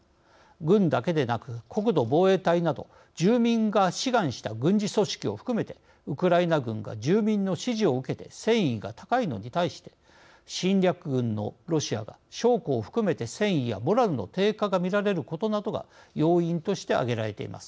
軍だけでなく国土防衛隊など住民が志願した軍事組織を含めてウクライナ軍が住民の支持を受けて戦意が高いのに対して侵略軍のロシアが将校を含めて戦意やモラルの低下が見られることなどが要因として挙げられています。